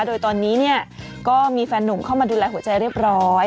โดยตอนนี้เนี่ยก็มีแฟนหนุ่มเข้ามาดูแลหัวใจเรียบร้อย